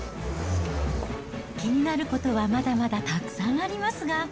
気になることはまだまだたくさんありますが。